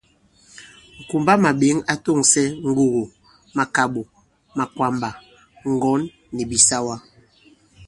Ŋ̀kumbamàɓěŋ a tòŋsɛ ŋgugù, màkàɓò, makwàmbà, ŋgɔ̌n nì bìsawa.